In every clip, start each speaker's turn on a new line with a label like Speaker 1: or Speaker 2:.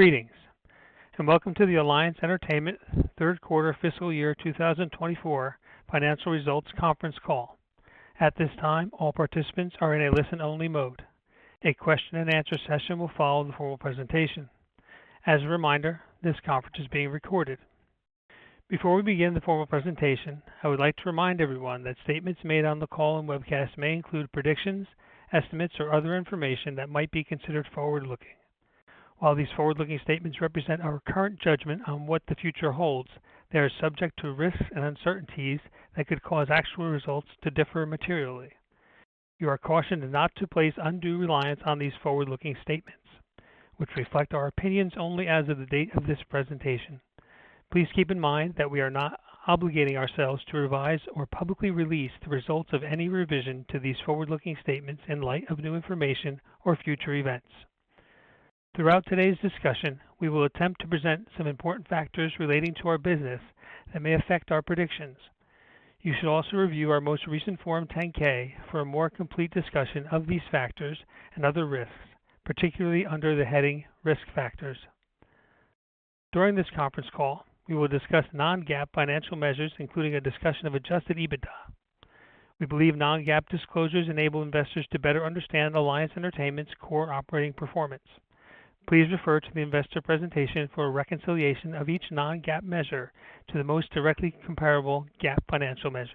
Speaker 1: Greetings, and welcome to the Alliance Entertainment third quarter fiscal year 2024 financial results conference call. At this time, all participants are in a listen-only mode. A question and answer session will follow the formal presentation. As a reminder, this conference is being recorded. Before we begin the formal presentation, I would like to remind everyone that statements made on the call and webcast may include predictions, estimates, or other information that might be considered forward-looking. While these forward-looking statements represent our current judgment on what the future holds, they are subject to risks and uncertainties that could cause actual results to differ materially. You are cautioned not to place undue reliance on these forward-looking statements, which reflect our opinions only as of the date of this presentation. Please keep in mind that we are not obligating ourselves to revise or publicly release the results of any revision to these forward-looking statements in light of new information or future events. Throughout today's discussion, we will attempt to present some important factors relating to our business that may affect our predictions. You should also review our most recent Form 10-K for a more complete discussion of these factors and other risks, particularly under the heading Risk Factors. During this conference call, we will discuss non-GAAP financial measures, including a discussion of Adjusted EBITDA. We believe non-GAAP disclosures enable investors to better understand Alliance Entertainment's core operating performance. Please refer to the investor presentation for a reconciliation of each non-GAAP measure to the most directly comparable GAAP financial measure.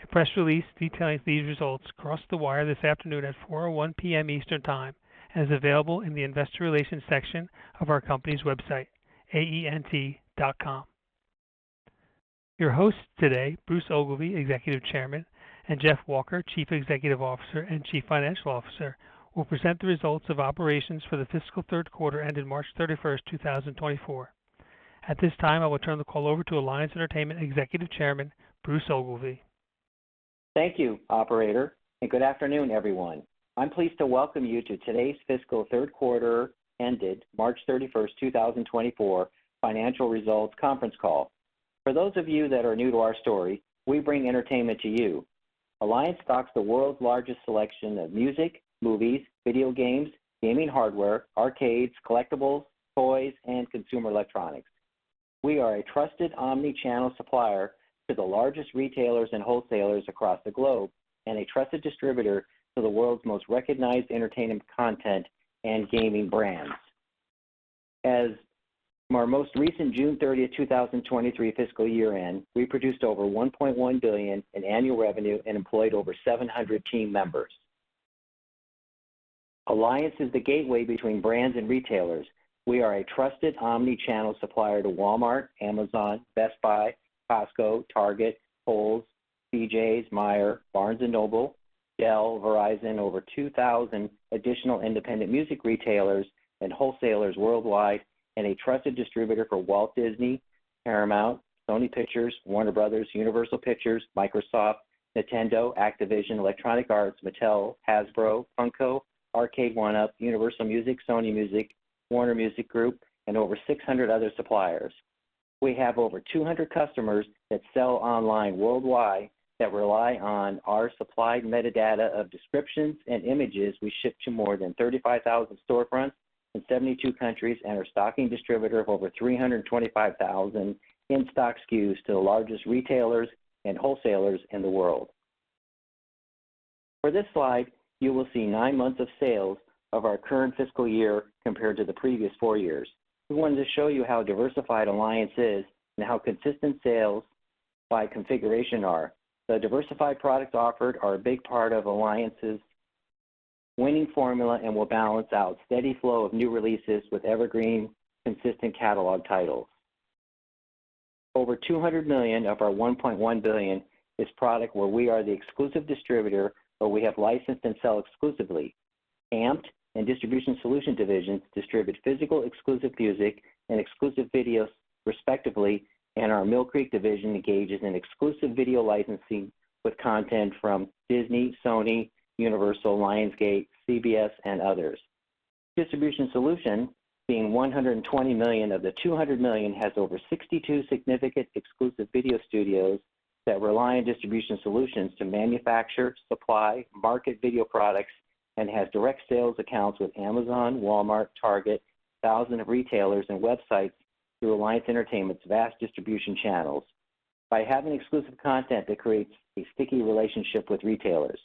Speaker 1: A press release detailing these results crossed the wire this afternoon at 4:01 P.M. Eastern Time and is available in the investor relations section of our company's website, aent.com. Your hosts today, Bruce Ogilvie, Executive Chairman, and Jeff Walker, Chief Executive Officer and Chief Financial Officer, will present the results of operations for the fiscal third quarter ended March 31st, 2024. At this time, I will turn the call over to Alliance Entertainment Executive Chairman, Bruce Ogilvie.
Speaker 2: Thank you, operator, and good afternoon, everyone. I'm pleased to welcome you to today's fiscal third quarter ended March 31, 2024, financial results conference call. For those of you that are new to our story, we bring entertainment to you. Alliance stocks the world's largest selection of music, movies, video games, gaming hardware, arcades, collectibles, toys, and consumer electronics. We are a trusted omni-channel supplier to the largest retailers and wholesalers across the globe, and a trusted distributor to the world's most recognized entertainment content and gaming brands. As of our most recent June 30, 2023 fiscal year-end, we produced over $1.1 billion in annual revenue and employed over 700 team members. Alliance is the gateway between brands and retailers. We are a trusted omni-channel supplier to Walmart, Amazon, Best Buy, Costco, Target, Kohl's, BJ's, Meijer, Barnes & Noble, Dell, Verizon, over 2,000 additional independent music retailers and wholesalers worldwide, and a trusted distributor for Walt Disney, Paramount, Sony Pictures, Warner Brothers, Universal Pictures, Microsoft, Nintendo, Activision, Electronic Arts, Mattel, Hasbro, Funko, Arcade1Up, Universal Music, Sony Music, Warner Music Group, and over 600 other suppliers. We have over 200 customers that sell online worldwide that rely on our supplied metadata of descriptions and images we ship to more than 35,000 storefronts in 72 countries, and are a stocking distributor of over 325,000 in-stock SKUs to the largest retailers and wholesalers in the world. For this slide, you will see nine months of sales of our current fiscal year compared to the previous four years. We wanted to show you how diversified Alliance is and how consistent sales by configuration are. The diversified products offered are a big part of Alliance's winning formula and will balance out steady flow of new releases with evergreen, consistent catalog titles. Over $200 million of our $1.1 billion is product where we are the exclusive distributor or we have licensed and sell exclusively. AMPED and Distribution Solutions divisions distribute physical exclusive music and exclusive videos, respectively, and our Mill Creek division engages in exclusive video licensing with content from Disney, Sony, Universal, Lionsgate, CBS, and others. Distribution Solutions, being $120 million of the $200 million, has over 62 significant exclusive video studios that rely on Distribution Solutions to manufacture, supply, market video products, and have direct sales accounts with Amazon, Walmart, Target, thousands of retailers and websites through Alliance Entertainment's vast distribution channels. By having exclusive content, it creates a sticky relationship with retailers.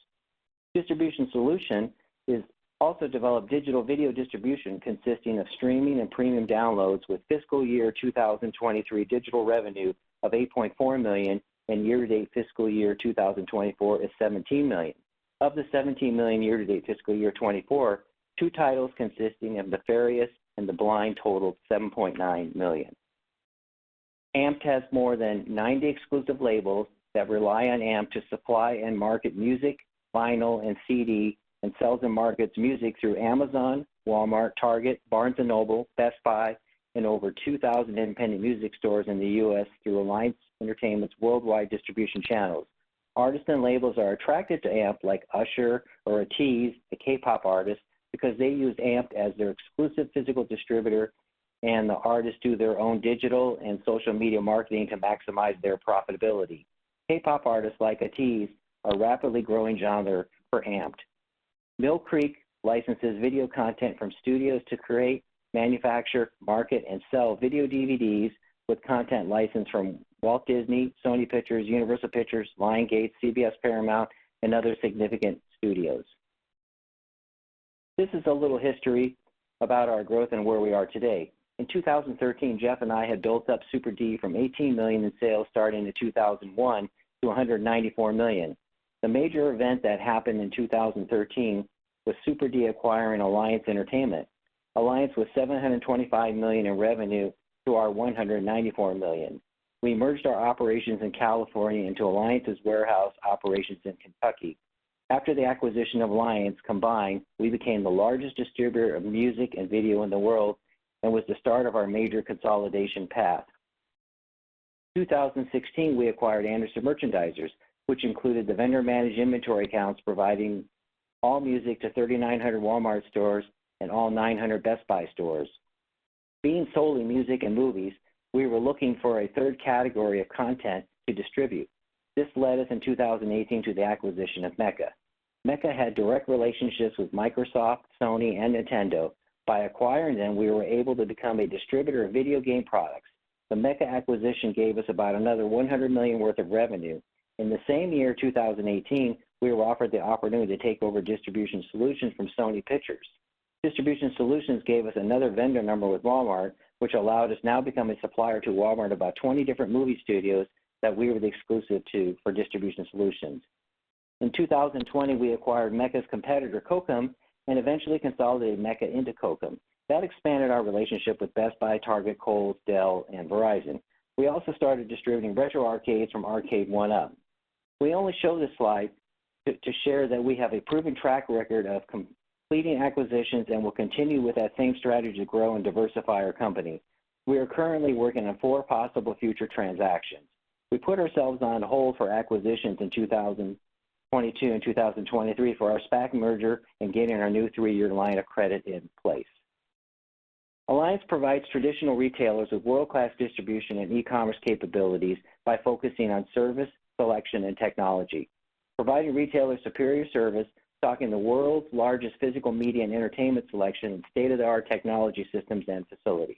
Speaker 2: Distribution Solutions is also developed digital video distribution, consisting of streaming and premium downloads, with fiscal year 2023 digital revenue of $8.4 million, and year-to-date fiscal year 2024 is $17 million. Of the $17 million year-to-date fiscal year 2024, two titles consisting of Nefarious and The Blind totaled $7.9 million. AMPED has more than 90 exclusive labels that rely on AMPED to supply and market music, vinyl, and CD, and sells and markets music through Amazon, Walmart, Target, Barnes & Noble, Best Buy, and over 2,000 independent music stores in the U.S. through Alliance Entertainment's worldwide distribution channels. Artists and labels are attracted to AMPED, like Usher or ATEEZ, a K-pop artist, because they use AMPED as their exclusive physical distributor, and the artists do their own digital and social media marketing to maximize their profitability. K-pop artists like ATEEZ are a rapidly growing genre for AMPED.... Mill Creek licenses video content from studios to create, manufacture, market, and sell video DVDs with content licensed from Walt Disney, Sony Pictures, Universal Pictures, Lionsgate, CBS Paramount, and other significant studios. This is a little history about our growth and where we are today. In 2013, Jeff and I had built up Super D from $18 million in sales starting in 2001 to $194 million. The major event that happened in 2013 was Super D acquiring Alliance Entertainment. Alliance was $725 million in revenue to our $194 million. We merged our operations in California into Alliance's warehouse operations in Kentucky. After the acquisition of Alliance combined, we became the largest distributor of music and video in the world, and was the start of our major consolidation path. In 2016, we acquired Anderson Merchandisers, which included the vendor-managed inventory accounts, providing all music to 3,900 Walmart stores and all 900 Best Buy stores. Being solely music and movies, we were looking for a third category of content to distribute. This led us, in 2018, to the acquisition of Meca. Meca had direct relationships with Microsoft, Sony, and Nintendo. By acquiring them, we were able to become a distributor of video game products. The Meca acquisition gave us about another $100 million worth of revenue. In the same year, 2018, we were offered the opportunity to take over Distribution Solutions from Sony Pictures. Distribution Solutions gave us another vendor number with Walmart, which allowed us now become a supplier to Walmart, about 20 different movie studios that we were the exclusive to for Distribution Solutions. In 2020, we acquired Meca's competitor, Cokem, and eventually consolidated Meca into Cokem. That expanded our relationship with Best Buy, Target, Kohl's, Dell, and Verizon. We also started distributing retro arcades from Arcade1Up. We only show this slide to share that we have a proven track record of completing acquisitions and will continue with that same strategy to grow and diversify our company. We are currently working on four possible future transactions. We put ourselves on hold for acquisitions in 2022 and 2023 for our SPAC merger and getting our new three year line of credit in place. Alliance provides traditional retailers with world-class distribution and e-commerce capabilities by focusing on service, selection, and technology, providing retailers superior service, stocking the world's largest physical media and entertainment selection, and state-of-the-art technology systems and facilities.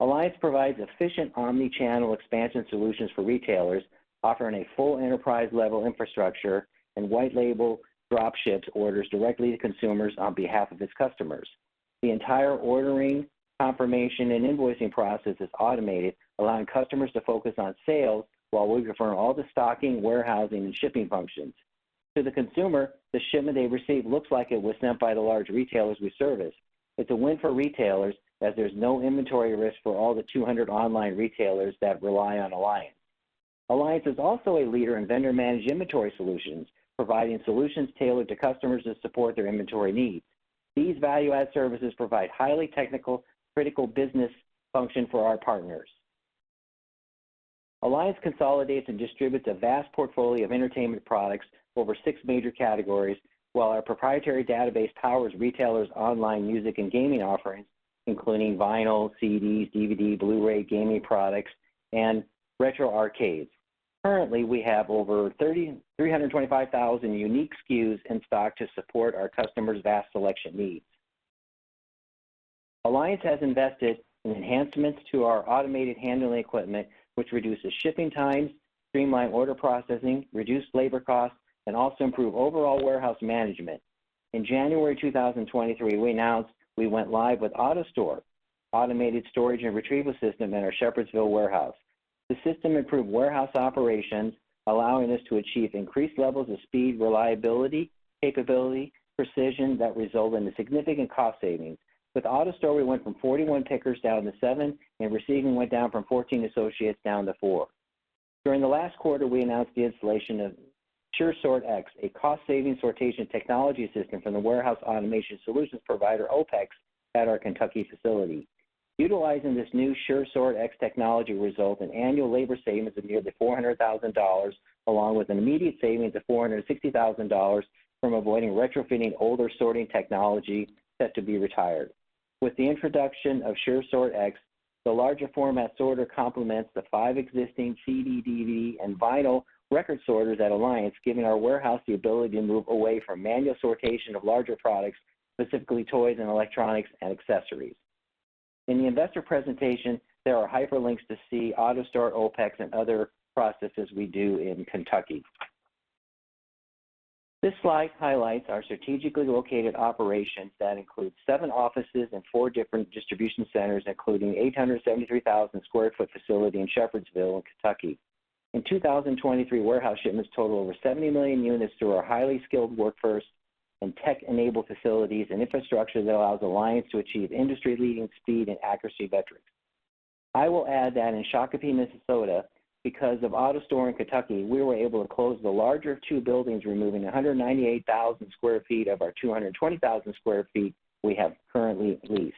Speaker 2: Alliance provides efficient omni-channel expansion solutions for retailers, offering a full enterprise-level infrastructure and white label drop ships orders directly to consumers on behalf of its customers. The entire ordering, confirmation, and invoicing process is automated, allowing customers to focus on sales while we perform all the stocking, warehousing, and shipping functions. To the consumer, the shipment they receive looks like it was sent by the large retailers we service. It's a win for retailers as there's no inventory risk for all the 200 online retailers that rely on Alliance. Alliance is also a leader in vendor-managed inventory solutions, providing solutions tailored to customers to support their inventory needs. These value-add services provide highly technical, critical business function for our partners. Alliance consolidates and distributes a vast portfolio of entertainment products over six major categories, while our proprietary database powers retailers' online music and gaming offerings, including vinyl, CDs, DVD, Blu-ray, gaming products, and retro arcades. Currently, we have over 325,000 unique SKUs in stock to support our customers' vast selection needs. Alliance has invested in enhancements to our automated handling equipment, which reduces shipping times, streamline order processing, reduce labor costs, and also improve overall warehouse management. In January 2023, we announced we went live with AutoStore Automated Storage and Retrieval System in our Shepherdsville warehouse. The system improved warehouse operations, allowing us to achieve increased levels of speed, reliability, capability, precision that result in the significant cost savings. With AutoStore, we went from 41 pickers down to seven, and receiving went down from 14 associates down to four. During the last quarter, we announced the installation of Sure Sort X, a cost-saving sortation technology system from the warehouse automation solutions provider, OPEX, at our Kentucky facility. Utilizing this new Sure Sort X technology results in annual labor savings of nearly $400,000, along with an immediate savings of $460,000 from avoiding retrofitting older sorting technology set to be retired. With the introduction of Sure Sort X, the larger format sorter complements the five existing CD, DVD, and vinyl record sorters at Alliance, giving our warehouse the ability to move away from manual sortation of larger products, specifically toys and electronics and accessories. In the investor presentation, there are hyperlinks to see AutoStore, OPEX, and other processes we do in Kentucky. This slide highlights our strategically located operations that include seven offices and four different distribution centers, including 873,000 sq ft facility in Shepherdsville, in Kentucky. In 2023, warehouse shipments total over 70 million units through our highly skilled workforce and tech-enabled facilities and infrastructure that allows Alliance to achieve industry-leading speed and accuracy metrics. I will add that in Shakopee, Minnesota, because of AutoStore in Kentucky, we were able to close the larger of two buildings, removing 198,000 sq ft of our 220,000 sq ft we have currently leased.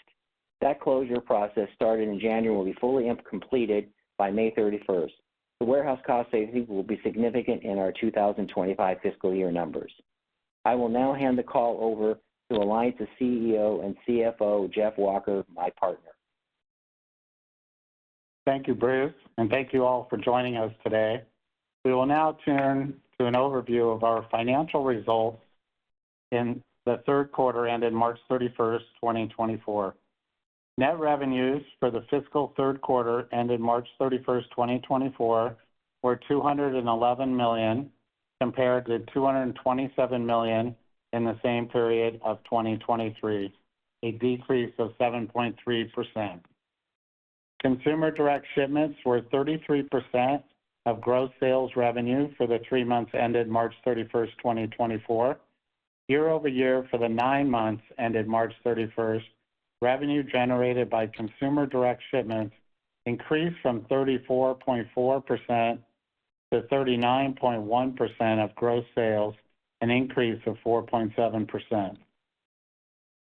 Speaker 2: That closure process, started in January, will be fully completed by May 31st. The warehouse cost savings will be significant in our 2025 fiscal year numbers. I will now hand the call over to Alliance's CEO and CFO, Jeff Walker, my partner. ...
Speaker 3: Thank you, Bruce, and thank you all for joining us today. We will now turn to an overview of our financial results in the third quarter ended March 31, 2024. Net revenues for the fiscal third quarter ended March 31, 2024, were $211 million, compared to $227 million in the same period of 2023, a decrease of 7.3%. Consumer direct shipments were 33% of gross sales revenue for the three months ended March 31, 2024. Year-over-year for the nine months ended March 31, revenue generated by consumer direct shipments increased from 34.4%-39.1% of gross sales, an increase of 4.7%.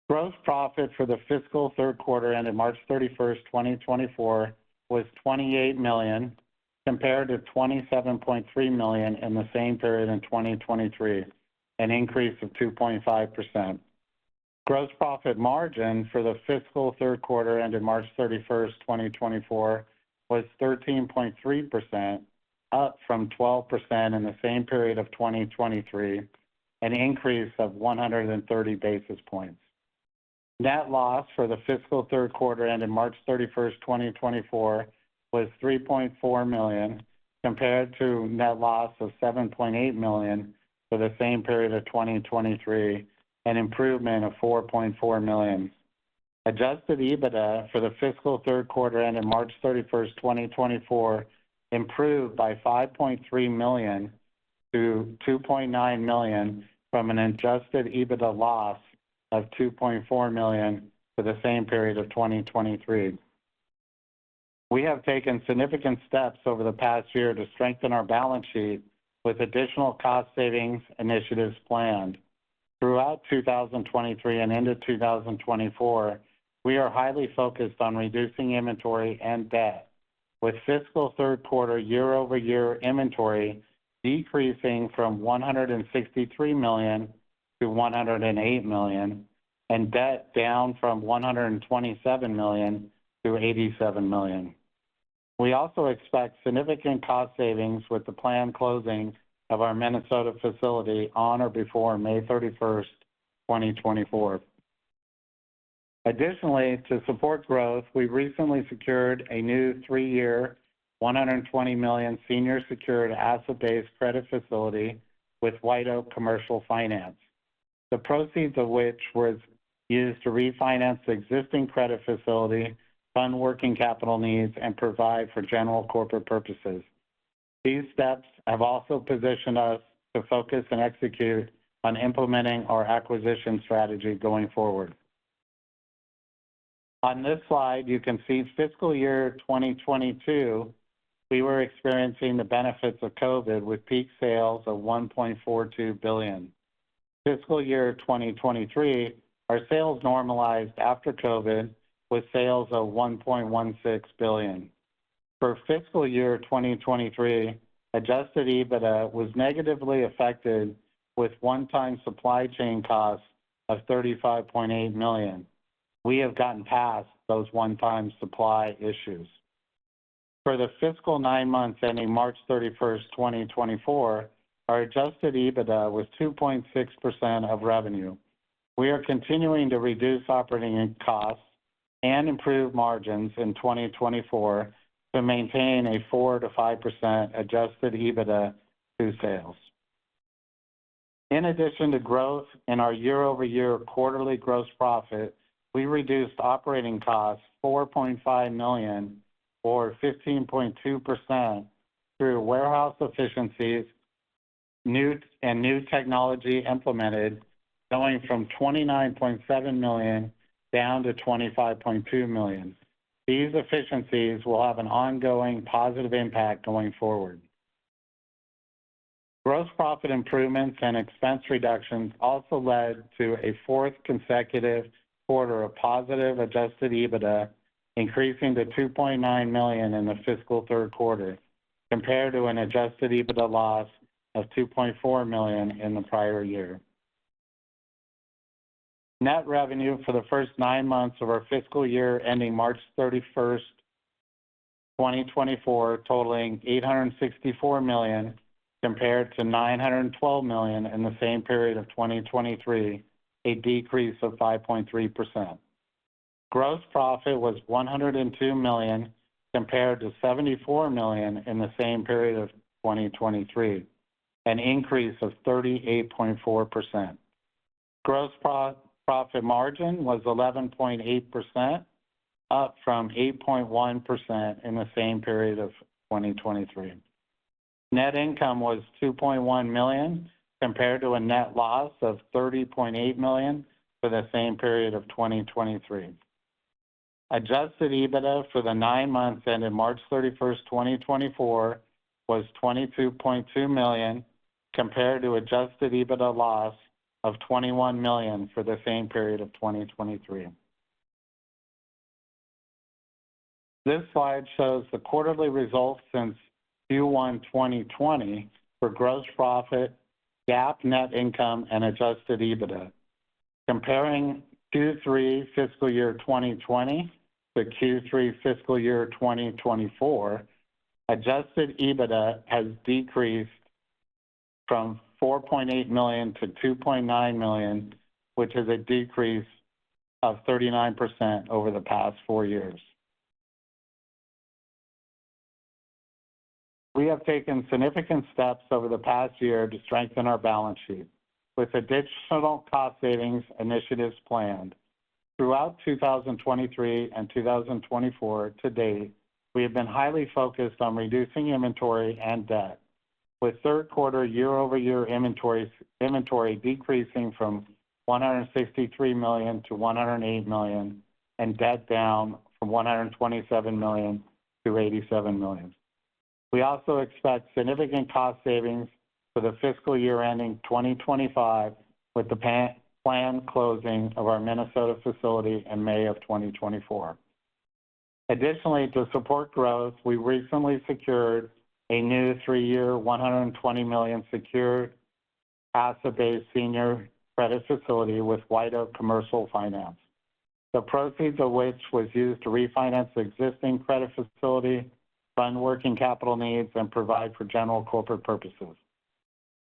Speaker 3: Gross profit for the fiscal third quarter ended March 31, 2024, was $28 million, compared to $27.3 million in the same period in 2023, an increase of 2.5%. Gross profit margin for the fiscal third quarter ended March 31, 2024, was 13.3%, up from 12% in the same period of 2023, an increase of 130 basis points. Net loss for the fiscal third quarter ended March 31, 2024, was $3.4 million, compared to net loss of $7.8 million for the same period of 2023, an improvement of $4.4 million. Adjusted EBITDA for the fiscal third quarter ended March 31, 2024, improved by $5.3 million to $2.9 million from an adjusted EBITDA loss of $2.4 million for the same period of 2023. We have taken significant steps over the past year to strengthen our balance sheet with additional cost savings initiatives planned. Throughout 2023 and into 2024, we are highly focused on reducing inventory and debt, with fiscal third quarter year-over-year inventory decreasing from $163 million-$108 million, and debt down from $127 million-$87 million. We also expect significant cost savings with the planned closing of our Minnesota facility on or before May 31, 2024. Additionally, to support growth, we recently secured a new three year, $120 million senior secured asset-based credit facility with White Oak Commercial Finance. The proceeds of which was used to refinance the existing credit facility, fund working capital needs, and provide for general corporate purposes. These steps have also positioned us to focus and execute on implementing our acquisition strategy going forward. On this slide, you can see fiscal year 2022, we were experiencing the benefits of COVID with peak sales of $1.42 billion. Fiscal year 2023, our sales normalized after COVID with sales of $1.16 billion. For fiscal year 2023, Adjusted EBITDA was negatively affected with one-time supply chain costs of $35.8 million. We have gotten past those one-time supply issues. For the fiscal nine months ending March 31, 2024, our Adjusted EBITDA was 2.6% of revenue. We are continuing to reduce operating costs and improve margins in 2024 to maintain a 4%-5% Adjusted EBITDA through sales. In addition to growth in our year-over-year quarterly gross profit, we reduced operating costs $4.5 million or 15.2% through warehouse efficiencies and new technology implemented, going from $29.7 million down to $25.2 million. These efficiencies will have an ongoing positive impact going forward. Gross profit improvements and expense reductions also led to a fourth consecutive quarter of positive Adjusted EBITDA, increasing to $2.9 million in the fiscal third quarter, compared to an Adjusted EBITDA loss of $2.4 million in the prior year. Net revenue for the first nine months of our fiscal year, ending March 31, 2024, totaling $864 million, compared to $912 million in the same period of 2023, a decrease of 5.3%. Gross profit was $102 million, compared to $74 million in the same period of 2023, an increase of 38.4%. Gross profit margin was 11.8%, up from 8.1% in the same period of 2023. Net income was $2.1 million, compared to a net loss of $30.8 million for the same period of 2023. Adjusted EBITDA for the nine months ended March 31, 2024, was $22.2 million, compared to Adjusted EBITDA loss of $21 million for the same period of 2023. This slide shows the quarterly results since Q1 2020 for gross profit, GAAP net income, and Adjusted EBITDA. Comparing Q3 fiscal year 2020 to Q3 fiscal year 2024, Adjusted EBITDA has decreased from $4.8 million to $2.9 million, which is a decrease of 39% over the past four years. We have taken significant steps over the past year to strengthen our balance sheet, with additional cost savings initiatives planned. Throughout 2023 and 2024 to date, we have been highly focused on reducing inventory and debt, with third quarter year-over-year inventory decreasing from $163 million to $108 million, and debt down from $127 million-$87 million. We also expect significant cost savings for the fiscal year ending 2025, with the planned closing of our Minnesota facility in May of 2024. Additionally, to support growth, we recently secured a new three-year, $120 million secured asset-based senior credit facility with White Oak Commercial Finance. The proceeds of which was used to refinance the existing credit facility, fund working capital needs, and provide for general corporate purposes.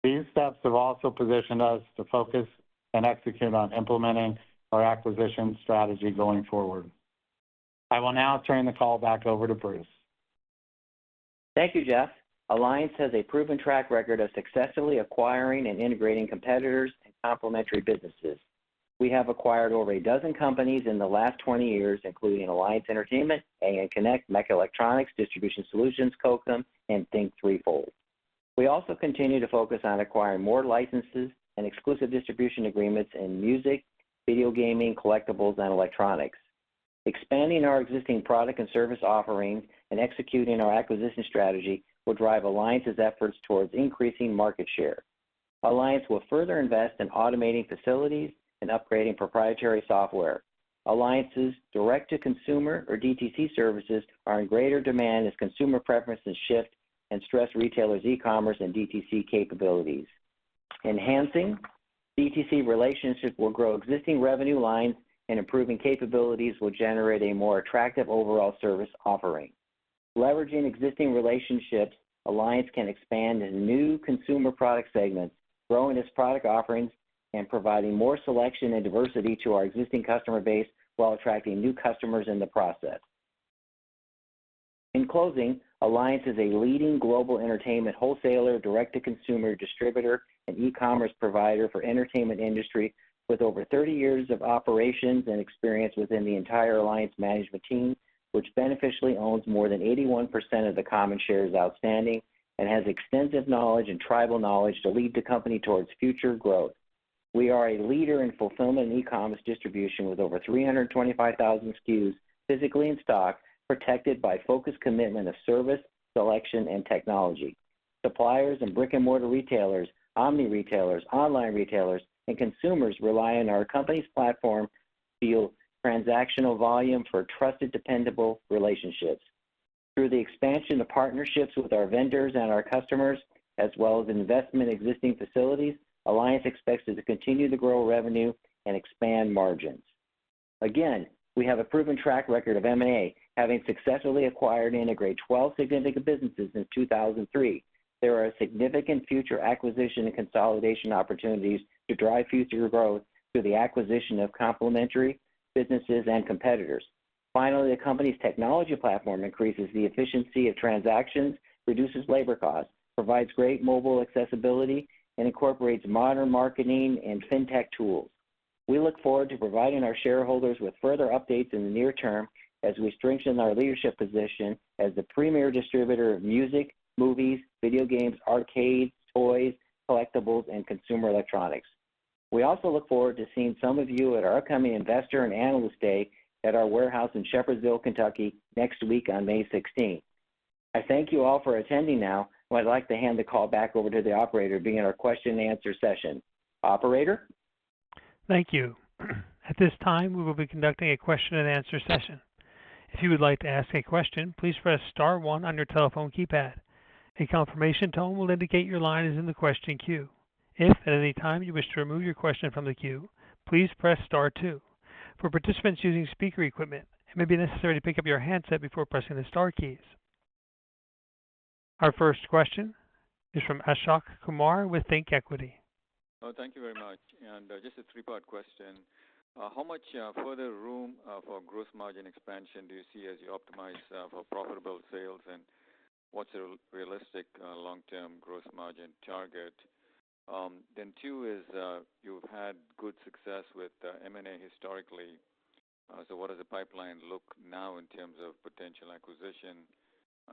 Speaker 3: These steps have also positioned us to focus and execute on implementing our acquisition strategy going forward. I will now turn the call back over to Bruce.
Speaker 2: Thank you, Jeff. Alliance has a proven track record of successfully acquiring and integrating competitors and complementary businesses. We have acquired over a dozen companies in the last 20 years, including Alliance Entertainment, ANconnect, MECA, Distribution Solutions, COKeM, and Think3Fold. We also continue to focus on acquiring more licenses and exclusive distribution agreements in music, video gaming, collectibles, and electronics. Expanding our existing product and service offerings and executing our acquisition strategy will drive Alliance's efforts towards increasing market share. Alliance will further invest in automating facilities and upgrading proprietary software. Alliance's direct-to-consumer, or DTC, services are in greater demand as consumer preferences shift and stress retailers' e-commerce and DTC capabilities. Enhancing DTC relationships will grow existing revenue lines, and improving capabilities will generate a more attractive overall service offering. Leveraging existing relationships, Alliance can expand into new consumer product segments, growing its product offerings and providing more selection and diversity to our existing customer base while attracting new customers in the process. In closing, Alliance is a leading global entertainment wholesaler, direct-to-consumer distributor, and e-commerce provider for entertainment industry, with over 30 years of operations and experience within the entire Alliance management team, which beneficially owns more than 81% of the common shares outstanding and has extensive knowledge and tribal knowledge to lead the company towards future growth. We are a leader in fulfillment and e-commerce distribution with over 325,000 SKUs physically in stock, protected by focused commitment of service, selection, and technology. Suppliers and brick-and-mortar retailers, omni retailers, online retailers, and consumers rely on our company's platform to yield transactional volume for trusted, dependable relationships. Through the expansion of partnerships with our vendors and our customers, as well as investment in existing facilities, Alliance expects to continue to grow revenue and expand margins. Again, we have a proven track record of M&A, having successfully acquired and integrated 12 significant businesses since 2003. There are significant future acquisition and consolidation opportunities to drive future growth through the acquisition of complementary businesses and competitors. Finally, the company's technology platform increases the efficiency of transactions, reduces labor costs, provides great mobile accessibility, and incorporates modern marketing and fintech tools. We look forward to providing our shareholders with further updates in the near term as we strengthen our leadership position as the premier distributor of music, movies, video games, arcades, toys, collectibles, and consumer electronics. We also look forward to seeing some of you at our upcoming Investor and Analyst Day at our warehouse in Shepherdsville, Kentucky, next week on May 16. I thank you all for attending now, and I'd like to hand the call back over to the operator to begin our question and answer session. Operator?
Speaker 1: Thank you. At this time, we will be conducting a question and answer session. If you would like to ask a question, please press star one on your telephone keypad. A confirmation tone will indicate your line is in the question queue. If at any time you wish to remove your question from the queue, please press star two. For participants using speaker equipment, it may be necessary to pick up your handset before pressing the star keys. Our first question is from Ashok Kumar with ThinkEquity.
Speaker 4: Oh, thank you very much. And, just a three-part question. How much further room for gross margin expansion do you see as you optimize for profitable sales? And what's a realistic long-term gross margin target? Then two is, you've had good success with M&A historically. So what does the pipeline look now in terms of potential acquisition,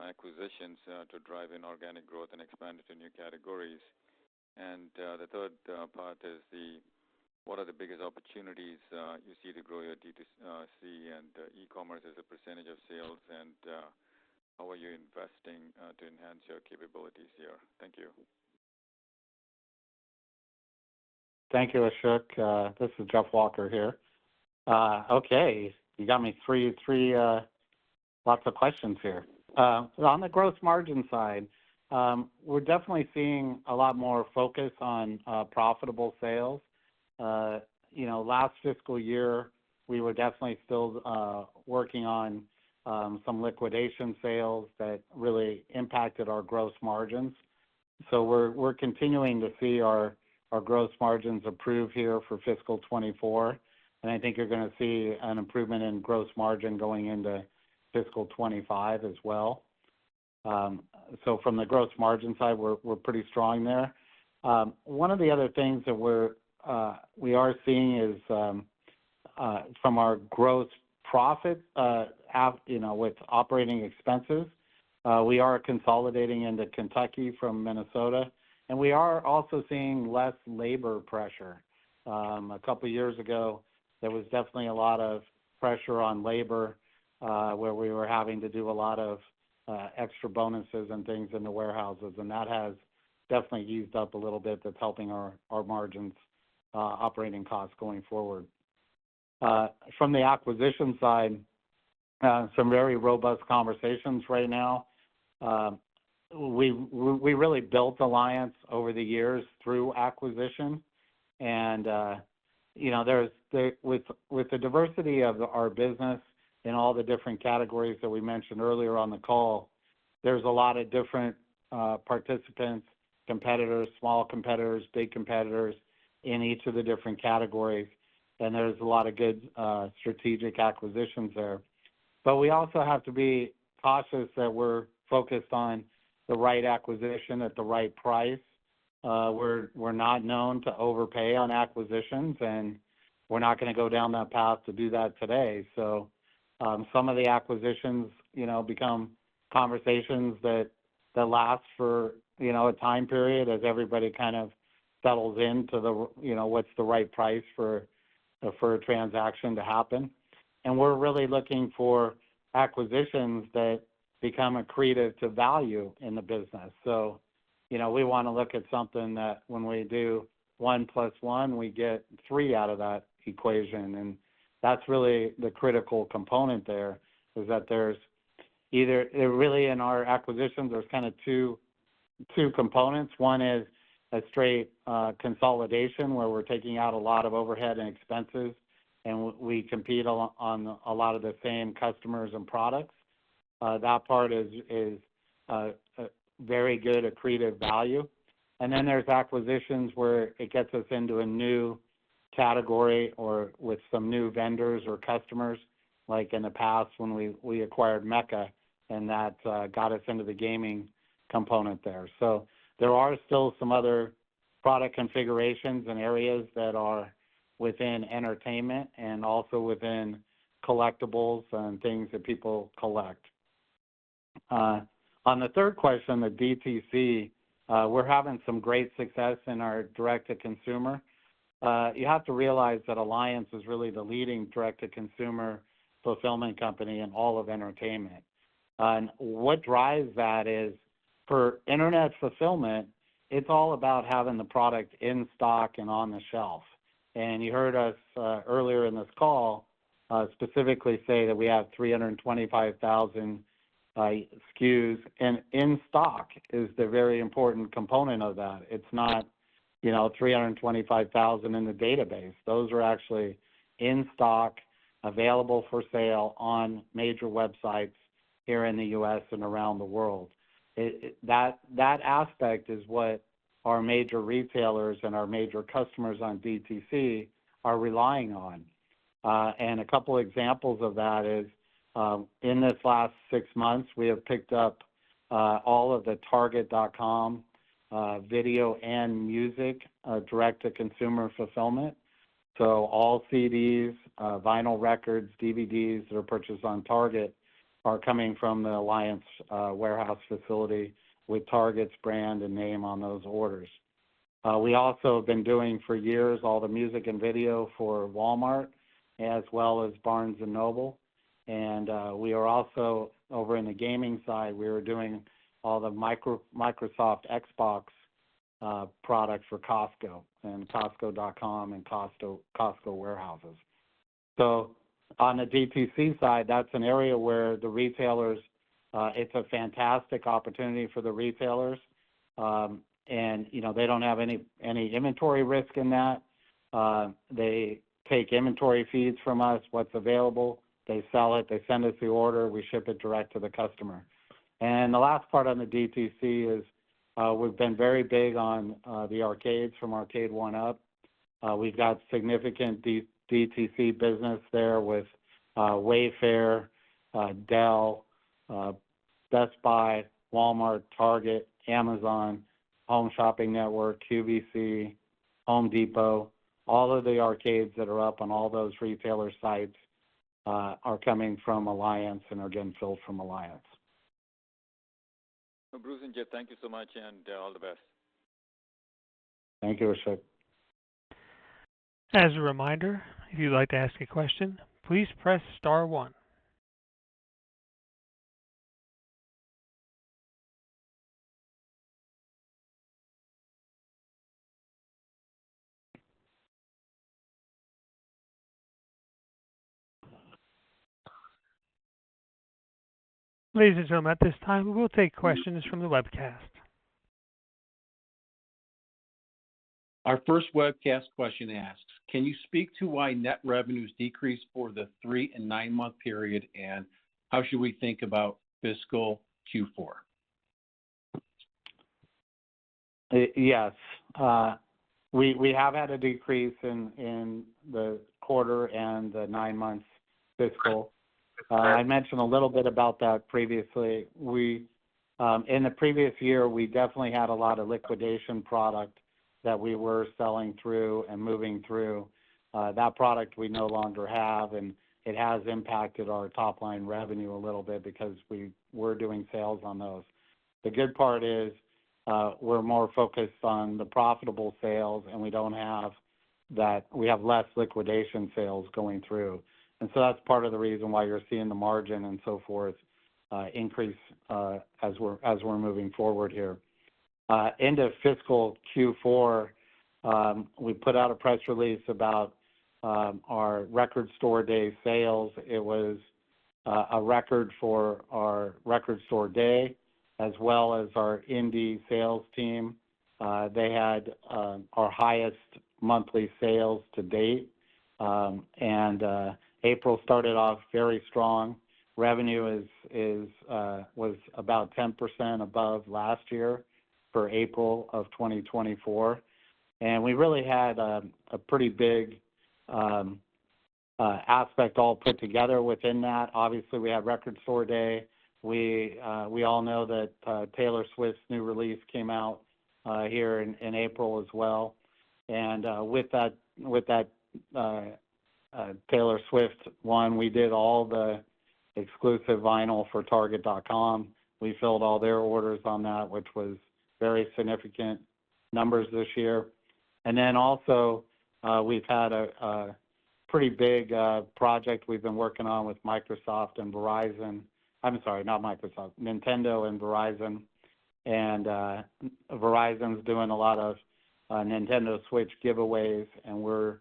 Speaker 4: acquisitions to drive in organic growth and expand into new categories? And, the third part is the, what are the biggest opportunities you see to grow your D2C and e-commerce as a percentage of sales? And, how are you investing to enhance your capabilities here? Thank you.
Speaker 3: Thank you, Ashok. This is Jeff Walker here. Okay, you got me three, three. Lots of questions here. On the gross margin side, we're definitely seeing a lot more focus on profitable sales. You know, last fiscal year, we were definitely still working on some liquidation sales that really impacted our gross margins. So we're continuing to see our gross margins improve here for fiscal 2024, and I think you're going to see an improvement in gross margin going into fiscal 2025 as well. So from the gross margin side, we're pretty strong there. One of the other things that we're seeing is from our gross profit, you know, with operating expenses, we are consolidating into Kentucky from Minnesota, and we are also seeing less labor pressure. A couple years ago, there was definitely a lot of pressure on labor, where we were having to do a lot of extra bonuses and things in the warehouses, and that has definitely eased up a little bit. That's helping our margins, operating costs going forward. From the acquisition side, some very robust conversations right now. We really built Alliance over the years through acquisition. And you know, with the diversity of our business in all the different categories that we mentioned earlier on the call, there's a lot of different participants, competitors, small competitors, big competitors in each of the different categories, and there's a lot of good strategic acquisitions there. But we also have to be cautious that we're focused on the right acquisition at the right price. We're not known to overpay on acquisitions, and we're not going to go down that path to do that today. So, some of the acquisitions, you know, become conversations that last for, you know, a time period as everybody kind of settles into the, you know, what's the right price for a transaction to happen. And we're really looking for acquisitions that become accretive to value in the business. So, you know, we want to look at something that when we do one plus one, we get three out of that equation, and that's really the critical component there is that there's either... Really in our acquisitions, there's kind of two components. One is a straight consolidation, where we're taking out a lot of overhead and expenses, and we compete on a lot of the same customers and products. That part is a very good accretive value. And then there's acquisitions where it gets us into a new category or with some new vendors or customers, like in the past when we acquired MECA, and that got us into the gaming component there. So there are still some other product configurations and areas that are within entertainment and also within collectibles and things that people collect. On the third question, the DTC, we're having some great success in our direct-to-consumer. You have to realize that Alliance is really the leading direct-to-consumer fulfillment company in all of entertainment. And what drives that is, for internet fulfillment, it's all about having the product in stock and on the shelf. You heard us earlier in this call specifically say that we have 325,000 SKUs, and in stock is the very important component of that. It's not, you know, 325,000 in the database. Those are actually in stock, available for sale on major websites here in the U.S. and around the world. That aspect is what our major retailers and our major customers on DTC are relying on. And a couple examples of that is, in this last six months, we have picked up all of the Target.com video and music direct-to-consumer fulfillment. So all CDs, vinyl records, DVDs that are purchased on Target are coming from the Alliance warehouse facility with Target's brand and name on those orders. We also have been doing for years all the music and video for Walmart as well as Barnes & Noble. And we are also over in the gaming side, we are doing all the Microsoft Xbox products for Costco and Costco.com and Costco warehouses. So on the DTC side, that's an area where the retailers, it's a fantastic opportunity for the retailers. And, you know, they don't have any inventory risk in that. They take inventory feeds from us, what's available, they sell it, they send us the order, we ship it direct to the customer. And the last part on the DTC is, we've been very big on the arcades from Arcade1Up. We've got significant DT- DTC business there with Wayfair, Dell, Best Buy, Walmart, Target, Amazon, Home Shopping Network, QVC, Home Depot. All of the arcades that are up on all those retailer sites are coming from Alliance and are getting filled from Alliance.
Speaker 4: Bruce and Jeff, thank you so much, and all the best.
Speaker 3: Thank you, Ashok.
Speaker 1: As a reminder, if you'd like to ask a question, please press Star one. Ladies and gentlemen, at this time, we will take questions from the webcast.
Speaker 5: Our first webcast question asks, "Can you speak to why net revenues decreased for the 3 and 9-month period, and how should we think about fiscal Q4?
Speaker 3: Yes. We have had a decrease in the quarter and the nine-month fiscal. I mentioned a little bit about that previously. In the previous year, we definitely had a lot of liquidation product that we were selling through and moving through. That product we no longer have, and it has impacted our top-line revenue a little bit because we were doing sales on those. The good part is, we're more focused on the profitable sales, and we don't have that-- we have less liquidation sales going through. And so that's part of the reason why you're seeing the margin and so forth, increase, as we're moving forward here. End of fiscal Q4, we put out a press release about our Record Store Day sales. It was a record for our Record Store Day as well as our indie sales team. They had our highest monthly sales to date. April started off very strong. Revenue was about 10% above last year for April of 2024, and we really had a pretty big spectacle all put together within that. Obviously, we had Record Store Day. We all know that Taylor Swift's new release came out here in April as well. With that Taylor Swift one, we did all the exclusive vinyl for Target.com. We filled all their orders on that, which was very significant numbers this year. Then also, we've had a pretty big project we've been working on with Microsoft and Verizon. I'm sorry, not Microsoft, Nintendo and Verizon. Verizon's doing a lot of Nintendo Switch giveaways, and we're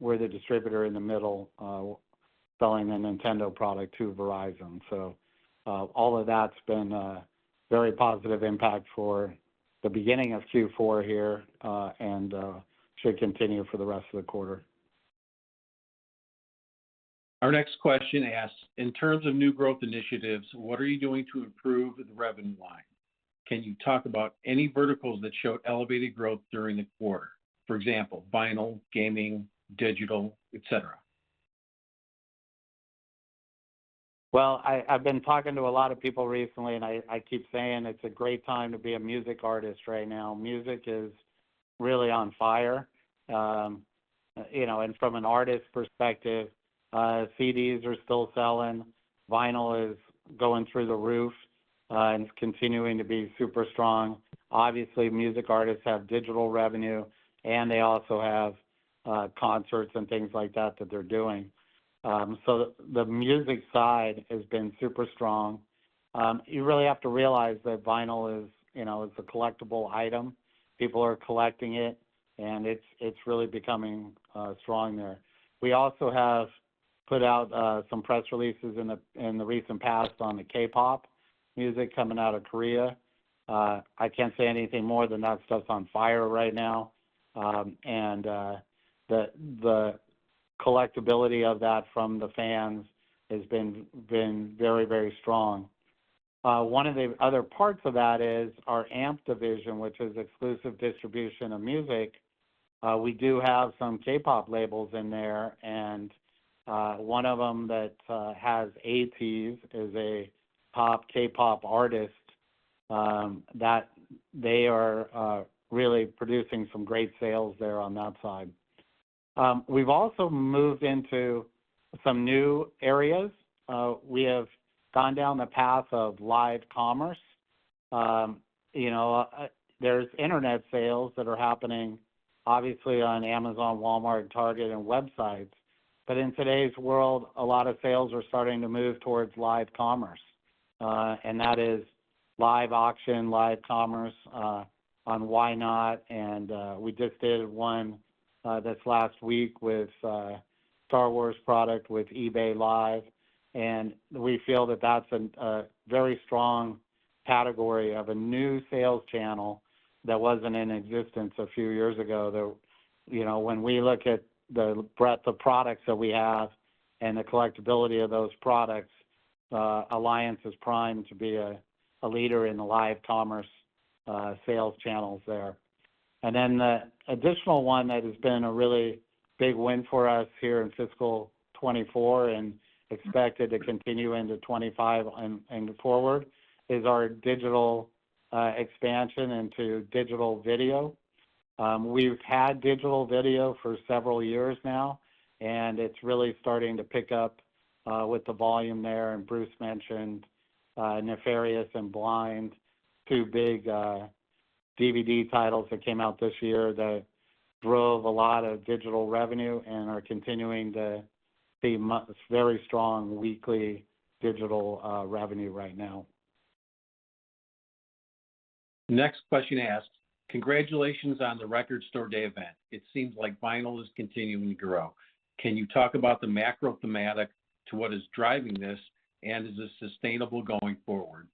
Speaker 3: the distributor in the middle, selling the Nintendo product to Verizon. So, all of that's been a very positive impact for the beginning of Q4 here, and should continue for the rest of the quarter.
Speaker 5: Our next question asks, "In terms of new growth initiatives, what are you doing to improve the revenue line? Can you talk about any verticals that showed elevated growth during the quarter? For example, vinyl, gaming, digital, et cetera.
Speaker 3: Well, I've been talking to a lot of people recently, and I keep saying it's a great time to be a music artist right now. Music is really on fire. You know, and from an artist perspective, CDs are still selling, vinyl is going through the roof, and it's continuing to be super strong. Obviously, music artists have digital revenue, and they also have concerts and things like that, that they're doing. So the music side has been super strong. You really have to realize that vinyl is, you know, it's a collectible item. People are collecting it, and it's really becoming strong there. We also have put out some press releases in the recent past on the K-pop music coming out of Korea. I can't say anything more than that stuff's on fire right now. The collectibility of that from the fans has been very, very strong. One of the other parts of that is our AMP division, which is exclusive distribution of music. We do have some K-pop labels in there, and one of them that has ATEEZ, is a pop K-pop artist, that they are really producing some great sales there on that side. We've also moved into some new areas. We have gone down the path of live commerce. You know, there's internet sales that are happening obviously on Amazon, Walmart, Target, and websites, but in today's world, a lot of sales are starting to move towards live commerce. And that is live auction, live commerce, on Whatnot, and we just did one this last week with Star Wars product with eBay Live. And we feel that that's a very strong category of a new sales channel that wasn't in existence a few years ago. Though, you know, when we look at the breadth of products that we have and the collectibility of those products, Alliance is primed to be a leader in the live commerce sales channels there. And then the additional one that has been a really big win for us here in fiscal 2024 and expected to continue into 2025 and forward, is our digital expansion into digital video. We've had digital video for several years now, and it's really starting to pick up with the volume there. Bruce mentioned Nefarious and Blind, two big DVD titles that came out this year that drove a lot of digital revenue and are continuing to see very strong weekly digital revenue right now.
Speaker 5: ...Next question asks, congratulations on the Record Store Day event. It seems like vinyl is continuing to grow. Can you talk about the macro thematic to what is driving this, and is this sustainable going forward?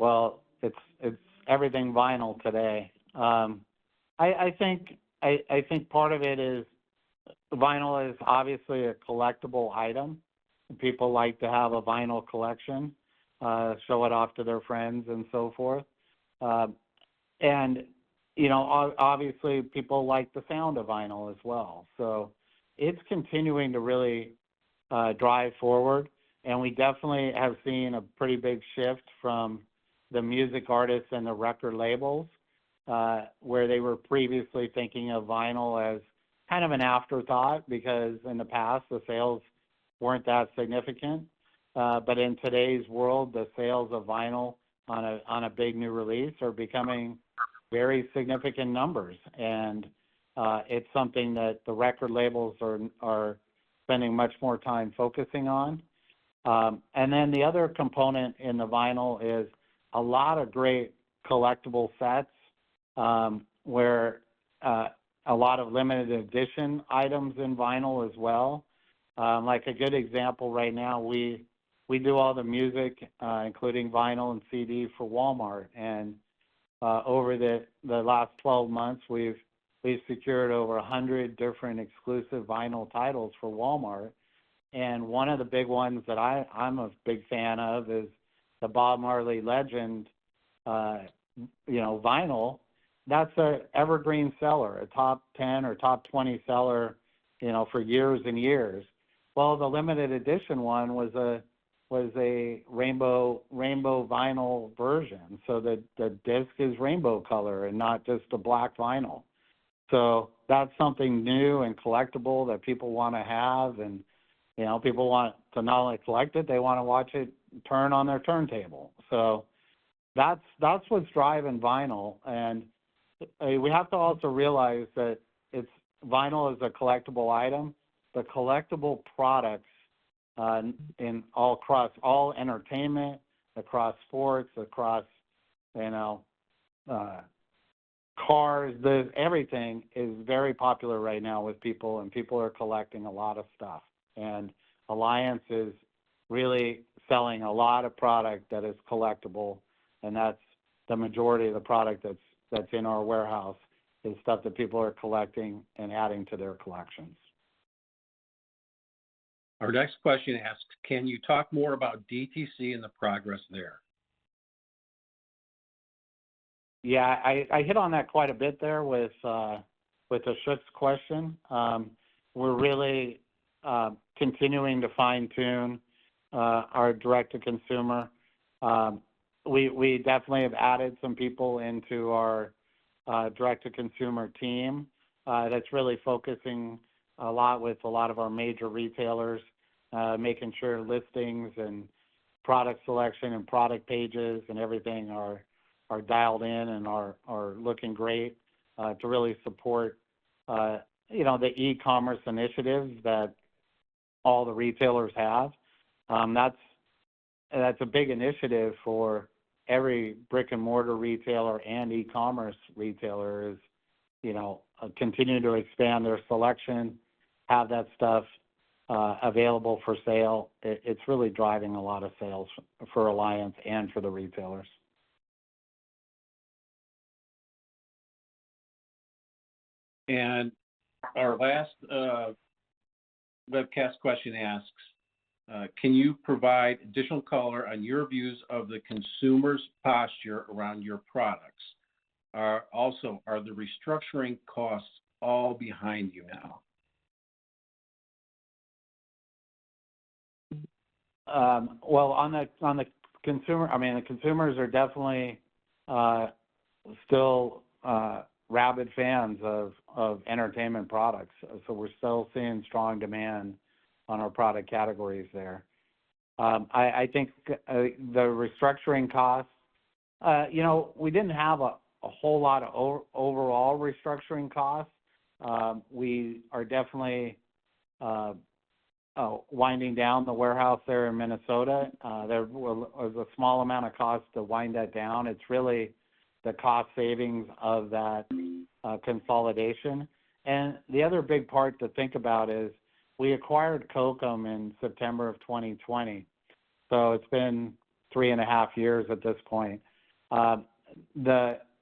Speaker 3: Well, it's everything vinyl today. I think part of it is vinyl is obviously a collectible item. People like to have a vinyl collection, show it off to their friends and so forth. And, you know, obviously, people like the sound of vinyl as well. So it's continuing to really drive forward, and we definitely have seen a pretty big shift from the music artists and the record labels, where they were previously thinking of vinyl as kind of an afterthought, because in the past, the sales weren't that significant. But in today's world, the sales of vinyl on a big new release are becoming very significant numbers, and it's something that the record labels are spending much more time focusing on. And then the other component in the vinyl is a lot of great collectible sets, where a lot of limited edition items in vinyl as well. Like, a good example right now, we do all the music, including vinyl and CD for Walmart. And over the last 12 months, we've secured over 100 different exclusive vinyl titles for Walmart. And one of the big ones that I'm a big fan of is the Bob Marley Legend, you know, vinyl. That's an evergreen seller, a top 10 or top 20 seller, you know, for years and years. Well, the limited edition one was a rainbow vinyl version, so the disc is rainbow color and not just the black vinyl. So that's something new and collectible that people wanna have, and, you know, people want to not only collect it, they wanna watch it turn on their turntable. So that's what's driving vinyl. And we have to also realize that it's vinyl is a collectible item. The collectible products in all across all entertainment, across sports, across, you know, cars, the everything is very popular right now with people, and people are collecting a lot of stuff. And Alliance is really selling a lot of product that is collectible, and that's the majority of the product that's in our warehouse, is stuff that people are collecting and adding to their collections.
Speaker 5: Our next question asks: Can you talk more about DTC and the progress there?
Speaker 3: Yeah, I hit on that quite a bit there with the Ashok's question. We're really continuing to fine-tune our direct-to-consumer. We definitely have added some people into our direct-to-consumer team. That's really focusing a lot with a lot of our major retailers, making sure listings and product selection and product pages and everything are dialed in and are looking great to really support, you know, the e-commerce initiatives that all the retailers have. That's a big initiative for every brick-and-mortar retailer and e-commerce retailers, you know, continue to expand their selection, have that stuff available for sale. It's really driving a lot of sales for Alliance and for the retailers.
Speaker 5: Our last webcast question asks, can you provide additional color on your views of the consumer's posture around your products? Also, are the restructuring costs all behind you now?
Speaker 3: Well, on the consumer, I mean, the consumers are definitely still rabid fans of entertainment products, so we're still seeing strong demand on our product categories there. I think the restructuring costs, you know, we didn't have a whole lot of overall restructuring costs. We are definitely winding down the warehouse there in Minnesota. There was a small amount of cost to wind that down. It's really the cost savings of that consolidation. And the other big part to think about is we acquired COKeM in September of 2020, so it's been three and a half years at this point.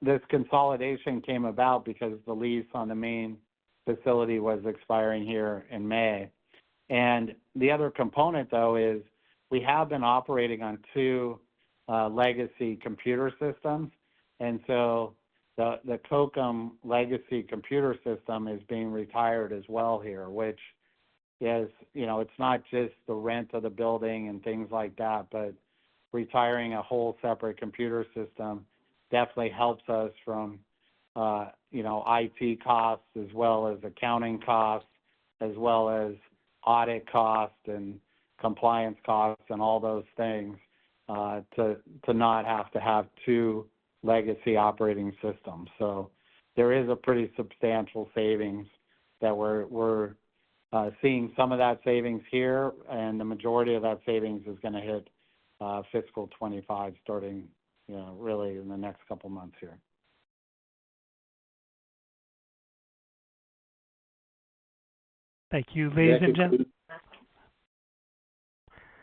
Speaker 3: This consolidation came about because the lease on the main facility was expiring here in May. And the other component, though, is we have been operating on two legacy computer systems, and so the COKeM legacy computer system is being retired as well here, which is, you know, it's not just the rent of the building and things like that, but retiring a whole separate computer system definitely helps us from, you know, IT costs, as well as accounting costs, as well as audit costs and compliance costs, and all those things, to not have to have two legacy operating systems. So there is a pretty substantial savings that we're seeing some of that savings here, and the majority of that savings is gonna hit fiscal 2025, starting, you know, really in the next couple of months here.
Speaker 1: Thank you. Ladies and gentlemen-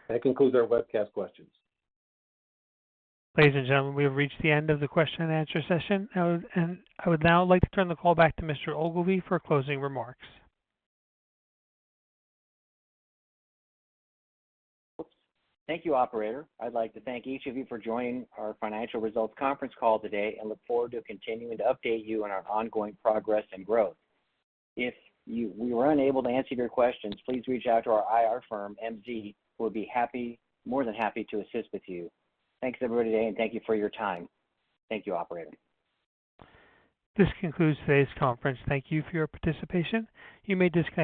Speaker 5: That concludes our webcast questions.
Speaker 1: Ladies and gentlemen, we have reached the end of the question and answer session. I would now like to turn the call back to Mr. Ogilvie for closing remarks.
Speaker 2: Thank you, operator. I'd like to thank each of you for joining our financial results conference call today, and look forward to continuing to update you on our ongoing progress and growth. If we were unable to answer your questions, please reach out to our IR firm, MZ, we'll be happy, more than happy to assist with you. Thanks, everybody, today, and thank you for your time. Thank you, operator.
Speaker 1: This concludes today's conference. Thank you for your participation. You may disconnect.